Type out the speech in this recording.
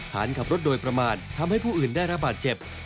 ขับรถโดยประมาททำให้ผู้อื่นได้รับบาดเจ็บ